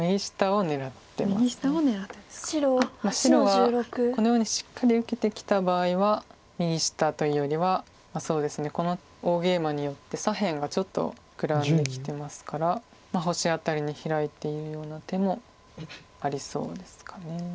白がこのようにしっかり受けてきた場合は右下というよりはこの大ゲイマによって左辺がちょっと膨らんできてますから星辺りにヒラいているような手もありそうですか。